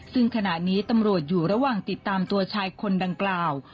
ซึ่งขณะนี้ตำรวจอยู่ระหว่างติดตามตัวชายคนดังกล่าว